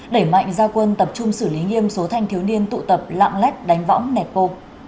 đẩy mạnh giao quân tập trung xử lý nghiêm số thanh thiếu niên tụ tập lạm lét đánh võng nẹt cô